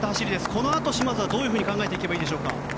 このあと嶋津はどういうふうに考えていけばいいでしょうか。